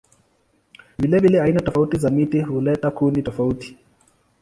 Vilevile aina tofauti za miti huleta kuni tofauti.